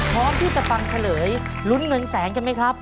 พร้อมที่จะฟังเฉลยลุ้นเงินแสนกันไหมครับ